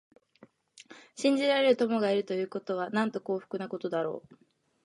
信じられる友がいるということは、なんと幸福なことだろう。